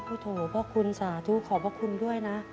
โอ้โหพ่อคุณสาธุขอบพระคุณด้วยนะ